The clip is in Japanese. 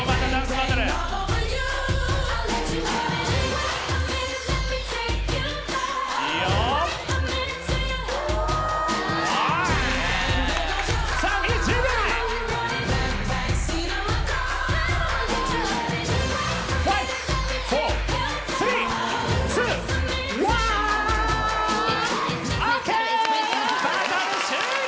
バトル終了！